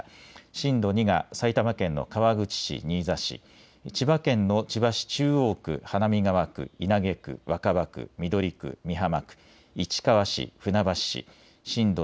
震度２が埼玉県の川口市、新座市千葉県の千葉市中央区、花見川区稲毛区若葉区、緑区、三原。